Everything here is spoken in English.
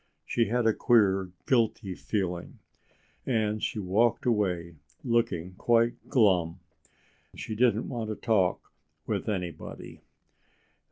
She had a queer, guilty feeling. And she walked away looking quite glum. She didn't want to talk with anybody.